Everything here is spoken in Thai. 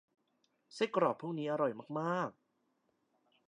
ไส้กรอกพวกนี้อร่อยมาก ๆ